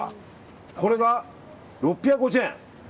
これが６５０円。